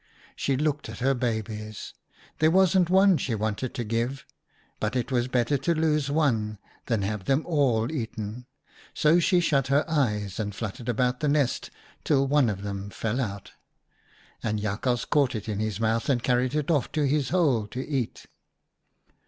She looked at her babies : there wasn't one she wanted to give, but it was better to lose one than have them all eaten ; so she shut her eyes and fluttered about the nest till one of them fell out, and Jakhals caught it in his mouth and carried it off to his hole to eat.